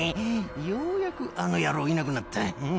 ようやくあの野郎いなくなった。